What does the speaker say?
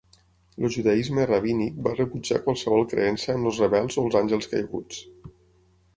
El judaisme rabínic va rebutjar qualsevol creença en els rebels o els àngels caiguts.